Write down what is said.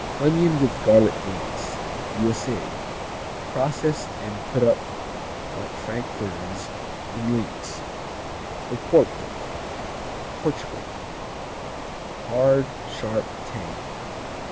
Onion with garlic links U.S.A Processed and put up like frankfurters, in links. Oporto Portugal Hard; sharp; tangy.